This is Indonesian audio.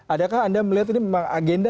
adakah anda melihat ini memang agenda